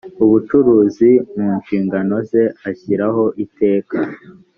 ubucuruzi mu nshingano ze ashyiraho iteka